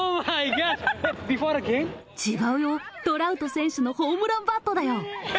違うよ、トラウト選手のホームランバットだよ。